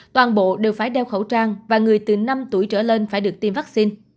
toàn bộ đều phải đeo khẩu trang và người từ năm tuổi trở lên phải được tiêm vaccine